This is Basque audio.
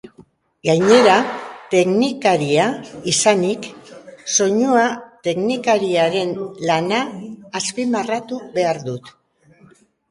Gainera, teknikaria izanik, soinu teknikarien lana azpimarratu behar dut.